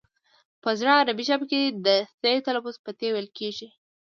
په زړه عربي ژبه کې د ث لفظ په ت ویل کیږي